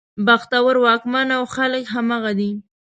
بختور واکمن او خلک همغه دي.